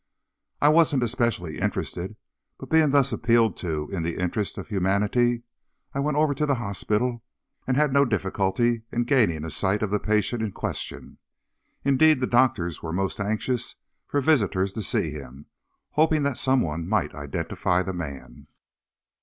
I wasn't especially interested, but being thus appealed to in the interests of humanity, I went over to the hospital, and had no difficulty in gaining a sight of the patient in question. Indeed, the doctors were most anxious for visitors to see him, hoping that someone might identify the man.